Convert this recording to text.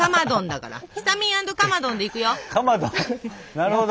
なるほど。